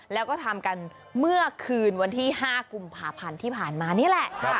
แล้วก็ทำกันเมื่อคืนวันที่๕กุมภาพันธ์ที่ผ่านมานี่แหละ